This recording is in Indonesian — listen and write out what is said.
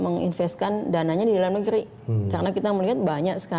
menciptakan instrumen instrumen yang bisa dipakai sebagai alternatif untuk membuat investasi yang lebih baik